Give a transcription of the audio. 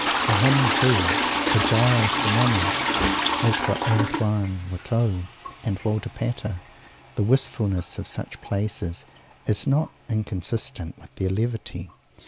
For him, too for Gilles the Mummer as for Antoine Watteau and Walter Pater, the wistfulness of such places is not inconsistent with their levity.